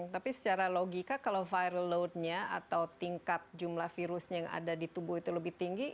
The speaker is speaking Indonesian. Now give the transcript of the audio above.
tapi secara logika kalau viral loadnya atau tingkat jumlah virusnya yang ada di tubuh itu lebih tinggi